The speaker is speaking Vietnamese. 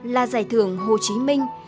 là giải thưởng hồ chí minh